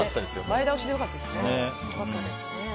前倒しで良かったですね。